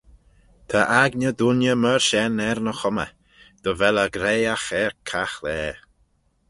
Ta aigney dooinney myr shen er ny chummey, dy vel eh graihagh er caghlaa.